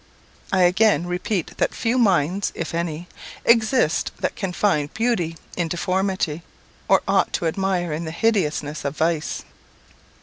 I again repeat that few minds (if any) exist than can find beauty in deformity, or aught to admire in the hideousness of vice.